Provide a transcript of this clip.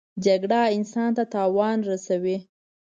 جګړه انسان ته تاوان رسوي